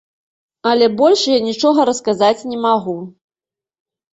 Але больш я нічога расказаць не магу.